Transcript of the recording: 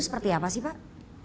seperti apa sih pak